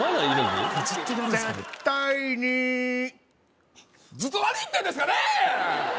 絶対にずっと何言ってんですかね？